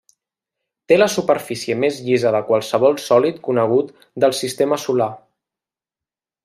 Té la superfície més llisa de qualsevol sòlid conegut del sistema solar.